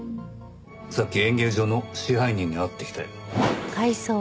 さっき演芸場の支配人に会ってきたよ。